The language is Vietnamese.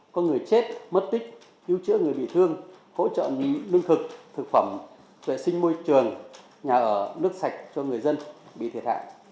có người chết mất tích cứu chữa người bị thương hỗ trợ lương thực thực phẩm vệ sinh môi trường nhà ở nước sạch cho người dân bị thiệt hại